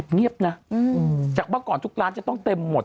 ปกติที่คือร้านเขาต้มจะต้องเต็มไปหมด